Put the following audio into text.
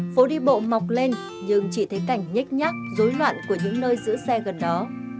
phố đi bộ mọc lên nhưng chỉ thấy cảnh nhách nhác dối loạn của những nơi giữ xe gần đó